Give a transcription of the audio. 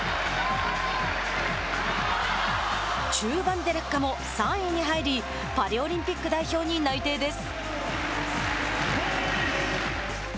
中盤で落下も３位に入りパリオリンピック代表に内定です。